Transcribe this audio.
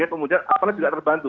kemudian apalagi juga terbantu